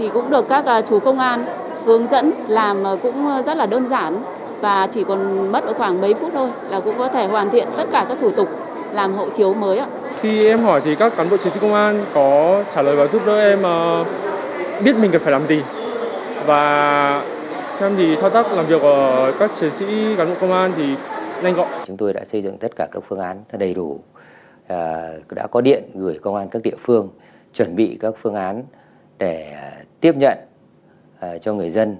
chúng tôi đã xây dựng tất cả các phương án đầy đủ đã có điện gửi công an các địa phương chuẩn bị các phương án để tiếp nhận cho người dân